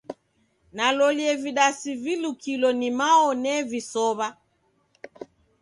Nalolie vidasi vilukilo ni mao nevisow'a.